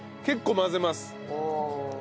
結構混ぜます。